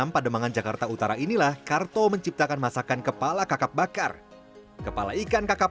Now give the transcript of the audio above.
pademangan jakarta utara inilah karto menciptakan masakan kepala kakap bakar kepala ikan kakap